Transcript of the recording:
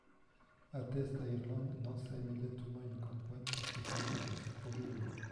Atheist Ireland lança immédiatement une campagne pour s'opposer à ce projet de loi.